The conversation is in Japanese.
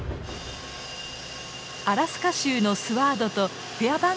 アラスカ州のスワードとフェア